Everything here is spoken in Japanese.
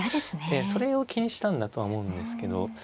ええそれを気にしたんだとは思うんですけど。